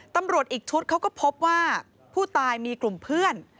ตำรวจอีกชุดเขาก็พบว่าผู้ตายมีกลุ่มเพื่อน